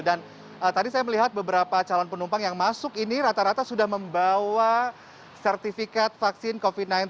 dan tadi saya melihat beberapa calon penumpang yang masuk ini rata rata sudah membawa sertifikat vaksin covid sembilan belas